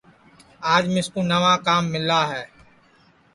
آج مِسکُو نئوا کام مِلا ہے